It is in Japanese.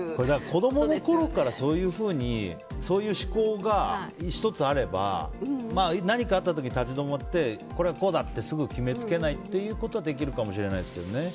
子供のころからそういう思考が１つあれば、何かあった時立ち止まって、これはこうだってすぐ決めつけないということはできるかもしれないですけどね。